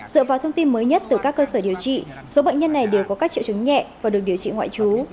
dựa vào thông tin mới nhất từ các cơ sở điều trị số bệnh nhân này đều có các triệu chứng nhẹ và được điều trị ngoại trú